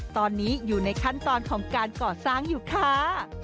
ตอนนี้อยู่ในขั้นตอนของการก่อสร้างอยู่ค่ะ